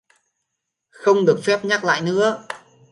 Không được phép nhắc lại nữa